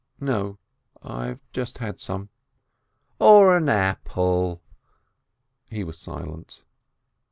"No, I have just had some." "Or an apple?" He was silent.